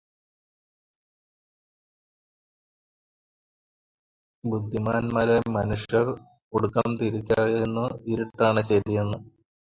ബുദ്ധിമാന്മാരായ മനുഷ്യർ ഒടുക്കം തിരിച്ചറിയുന്നു ഇരുട്ടാണ് ശരിയെന്ന്